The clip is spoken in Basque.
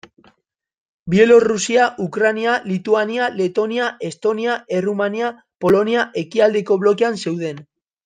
Bielorrusia, Ukraina, Lituania, Letonia, Estonia, Errumania, Polonia ekialdeko blokean zeuden.